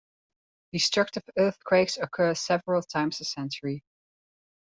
Destructive earthquakes occur several times a century.